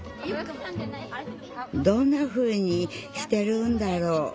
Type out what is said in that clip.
どんなふうにしてるんだろう